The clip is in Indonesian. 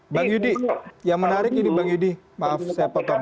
bang yudi yang menarik ini bang yudi maaf saya potong